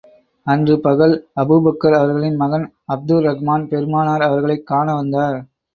அன்று பகல், அபூபக்கர் அவர்களின் மகன் அப்துர் ரஹ்மான் பெருமானார் அவர்களைக் காண வந்தார்.